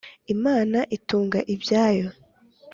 imana itunga ibyayo,